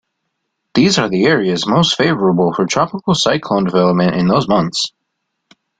These are the areas most favorable for tropical cyclone development in those months.